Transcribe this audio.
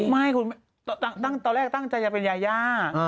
ไม่ครูตอนแรกตั้งใจอยากเป็นยาย่า